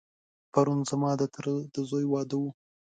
پرون ځما دتره دځوی واده و.